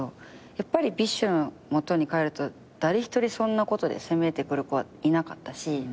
やっぱりＢｉＳＨの元に帰ると誰一人そんなことで責めてくる子はいなかったし。